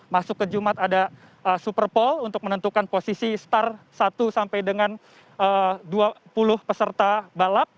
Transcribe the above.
masuk ke jumat ada super pole untuk menentukan posisi star satu sampai dengan dua puluh peserta balap